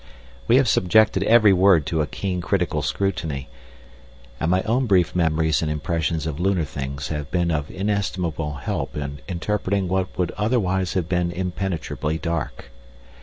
We have subjected every word to a keen critical scrutiny, and my own brief memories and impressions of lunar things have been of inestimable help in interpreting what would otherwise have been impenetrably dark.